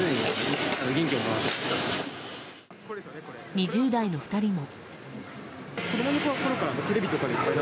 ２０代の２人も。